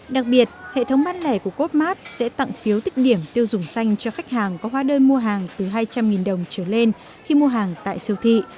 đặc biệt hệ thống bán lẻ của cốt mát sẽ tặng phiếu tiết kiệm tiêu dùng xanh cho khách hàng có hóa đơn mua hàng từ hai trăm linh đồng trở lên khi mua hàng tại siêu thị